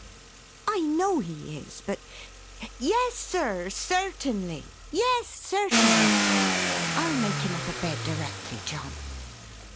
"I know he is, but Yes Sir, certainly. Yes! certainly! I'll make him up a bed, directly, John."